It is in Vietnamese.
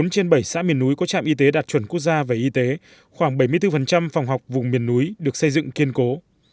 bốn trên bảy xã miền núi có trạm y tế đạt chuẩn quốc gia về y tế khoảng bảy mươi bốn phòng học vùng miền núi được xây dựng kiên cố